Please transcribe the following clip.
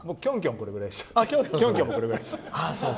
これくらいでしたよ。